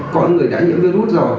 có người đã nhiễm virus rồi